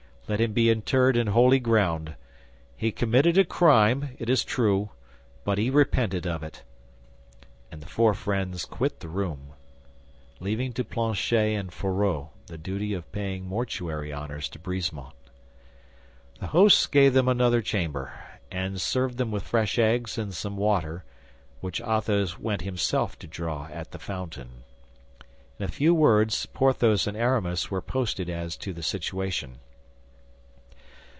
Let him be interred in holy ground. He committed a crime, it is true; but he repented of it." And the four friends quit the room, leaving to Planchet and Fourreau the duty of paying mortuary honors to Brisemont. The host gave them another chamber, and served them with fresh eggs and some water, which Athos went himself to draw at the fountain. In a few words, Porthos and Aramis were posted as to the situation.